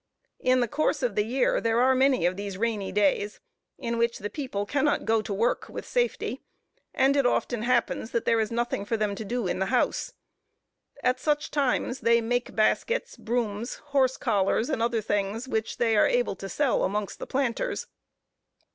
In the course of the year there are many of these rainy days, in which the people cannot go to work with safety; and it often happens that there is nothing for them to do in the house. At such time they make baskets, brooms, horse collars, and other things, which they are able to sell amongst the planters.